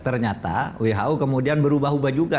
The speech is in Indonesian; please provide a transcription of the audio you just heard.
ternyata who kemudian berubah ubah juga